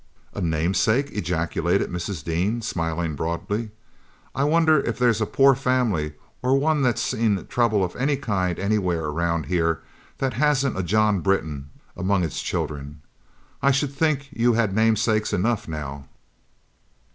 "A namesake!" ejaculated Mrs. Dean, smiling broadly; "I wonder if there's a poor family or one that's seen trouble of any kind anywhere around here that hasn't a 'John Britton' among its children! I should think you had namesakes enough now!"